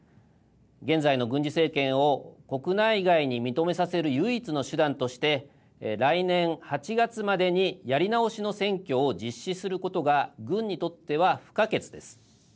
現在の軍事政権を国内外に認めさせる唯一の手段として来年８月までにやり直しの選挙を実施することが軍にとっては不可欠です。